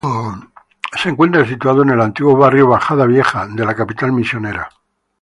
Se encuentra situado en el antiguo barrio Bajada Vieja de la capital misionera.